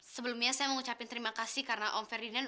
sebelumnya saya mau ngucapin terima kasih karena om ferdinand